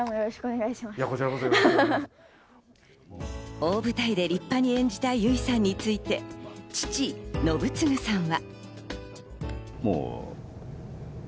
大舞台で立派に演じた由依さんについて父の信嗣さんは。